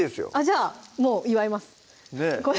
じゃあもう祝います